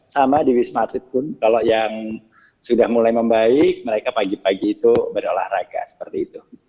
sama di wisma atlet pun kalau yang sudah mulai membaik mereka pagi pagi itu berolahraga seperti itu